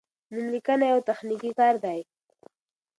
نوملیکنه یو تخنیکي کار دی.